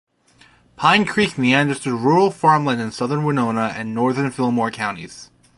Pine Creek meanders through rural farmland in southern Winona and northern Filmore Counties.